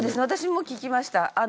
私も聞きました。